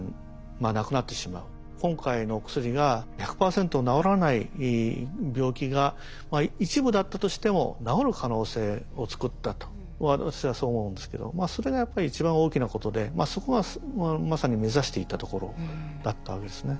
今回のお薬が１００％治らない病気が一部だったとしても治る可能性を作ったと私はそう思うんですけどそれがやっぱり一番大きなことでそこがまさに目指していたところだったわけですね。